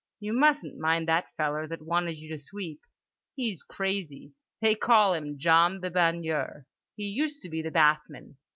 "You mustn't mind that feller that wanted you to sweep. He's crazy. They call him John the Baigneur. He used to be the bathman.